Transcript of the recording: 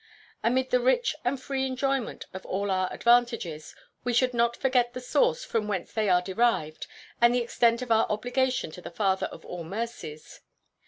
Amid the rich and free enjoyment of all our advantages, we should not forget the source from whence they are derived and the extent of our obligation to the Father of All Mercies.